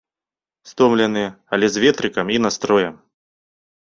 Стомленыя, але з ветрыкам і настроем!